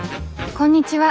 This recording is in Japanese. こんにちは。